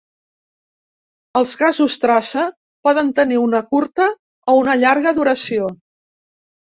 Els gasos traça poden tenir una curta o una llarga duració.